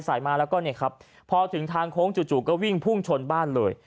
มาแล้วก็เนี่ยครับพอถึงทางโค้งจู่ก็วิ่งพุ่งชนบ้านเลย